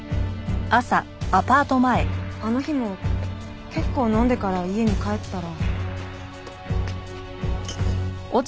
あの日も結構飲んでから家に帰ったら。